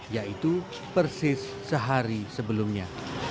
yaitu persis sehari sebelumnya